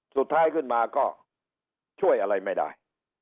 สุดท้ายขึ้นมาก็ช่วยอะไรไม่ได้